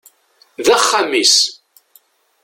D axxam-is.